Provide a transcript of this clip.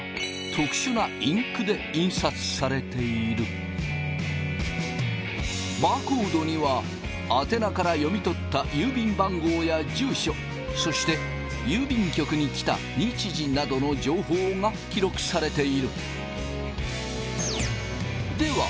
それはバーコードには宛名から読み取った郵便番号や住所そして郵便局に来た日時などの情報が記録されている。